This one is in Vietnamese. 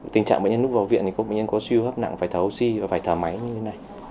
tình trạng bệnh nhân lúc vào viện thì có bệnh nhân có siêu hấp nặng phải thở oxy và phải thở máy như thế này